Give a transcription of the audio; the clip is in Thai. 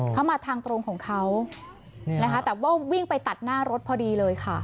เขามาทางตรงของเขานะคะแต่ว่าวิ่งไปตัดหน้ารถพอดีเลยค่ะ